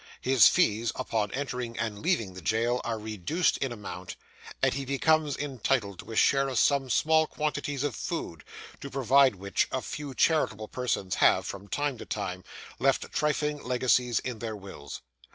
His fees, upon entering and leaving the jail, are reduced in amount, and he becomes entitled to a share of some small quantities of food: to provide which, a few charitable persons have, from time to time, left trifling legacies in their wills.